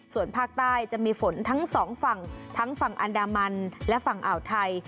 ส่วนภาคใต้จะมีฝนทั้งสองฝั่งทั้งฝั่งอันดามันและฝั่งอ่าวไทย